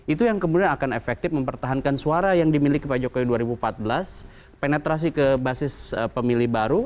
itu yang kemudian akan efektif mempertahankan suara yang dimiliki pak jokowi dua ribu empat belas penetrasi ke basis pemilih baru